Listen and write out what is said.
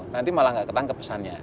nanti malah nggak ketangkep pesannya